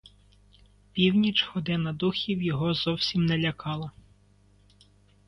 Північ, година духів, його зовсім не лякала.